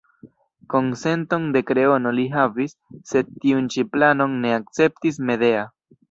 Konsenton de Kreono li havis, sed tiun ĉi planon ne akceptis Medea.